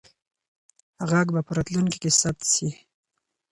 غږ به په راتلونکي کې ثبت سي.